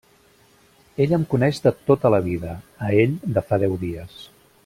Ella em coneix de tota la vida; a ell, de fa deu dies.